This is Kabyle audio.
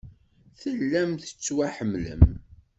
Tellam tettwaḥemmlem.